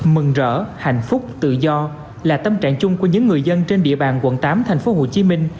mừng rỡ hạnh phúc tự do là tâm trạng chung của những người dân trên địa bàn quận tám thành phố hồ chí minh